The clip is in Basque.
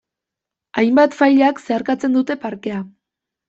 Hainbat failak zeharkatzen dute parkea.